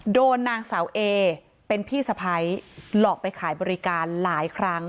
โดนนางสาวเอเป็นพี่สะพ้ายหลอกไปขายบริการหลายครั้ง